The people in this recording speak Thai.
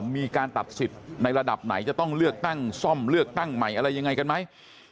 มีการตัดสิทธิ์ในระดับไหนจะต้องเลือกตั้งซ่อมเลือกตั้งใหม่อะไรยังไงกันไหม